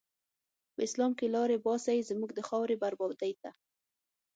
په اسلام کی لاری باسی، زموږ د خاوری بربادی ته